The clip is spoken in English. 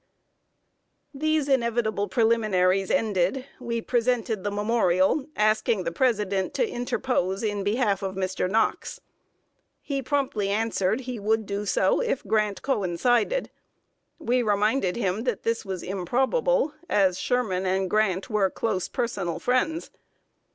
These inevitable preliminaries ended, we presented the memorial asking the President to interpose in behalf of Mr. Knox. He promptly answered he would do so if Grant coincided. We reminded him that this was improbable, as Sherman and Grant were close personal friends.